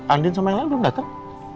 andin sama yang lain belum datang